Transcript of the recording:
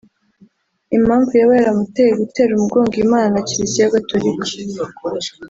Impamvu yaba yaramuteye gutera umugongo Imana na Kiliziya Gatolika